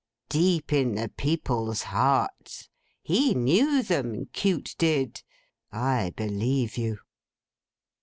Deep in the people's hearts! He knew them, Cute did. I believe you!